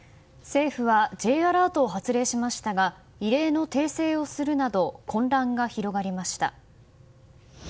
政府はＪアラートを発令しましたが異例の訂正をするなど混乱が広がりました。